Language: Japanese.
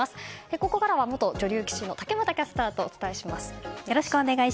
ここからは元女流棋士の竹俣キャスターとお伝えします。